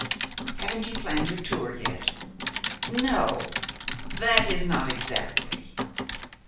"Haven't you planned your tour yet?" "No that is, not exactly."